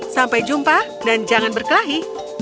sampai jumpa dan jangan berkelahi